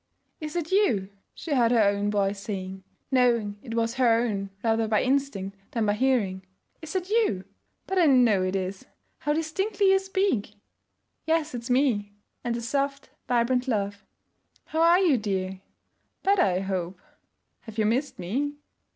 'Is that you?' she heard her own voice saying, knowing it was her own rather by instinct than by hearing. 'Is that you? But I know it is. How distinctly you speak!' 'Yes, it's me' and his soft vibrant laugh. 'How are you, dear?' 'Better, I hope.' 'Have you missed me?'